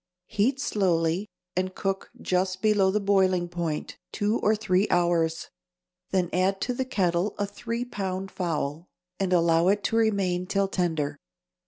Heat slowly, and cook just below the boiling point two or three hours; then add to the kettle a three pound fowl, and allow it to remain till tender.